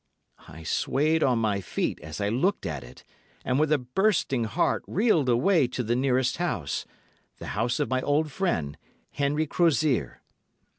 I swayed on my feet as I looked at it, and with a bursting heart reeled away to the nearest house—the house of my old friend, Henry Crozier.